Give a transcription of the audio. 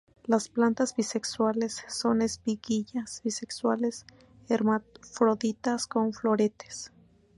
Las plantas bisexuales, con espiguillas bisexuales; hermafroditas con floretes.